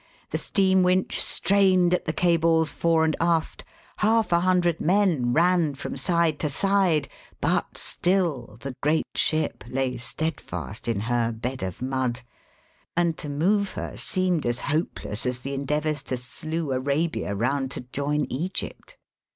The steam winch strained at the cables fore and aft. Half a hundred men ran from side to side, but still the great ship lay stedfast in her bed of mud, and to move her seemed as hope less as the endeavours to slew Arabia round to join Egypt.